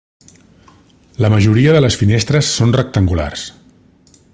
La majoria de les finestres són rectangulars.